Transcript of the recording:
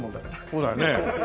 そうだよね。